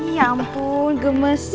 ya ampun gemesnya